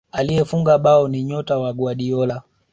aliyefunga bao ni nyota wa guardiola